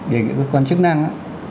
để người quan chức năng